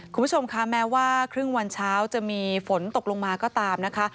คุณผู้ชมคะแม้ว่าครึ่งวันเช้าจะมีฝนตกลงมาก็ตามนะคะ